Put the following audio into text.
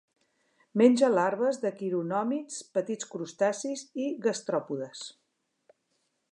Menja larves de quironòmids, petits crustacis i gastròpodes.